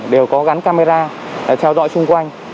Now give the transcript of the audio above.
đều có gắn camera theo dõi xung quanh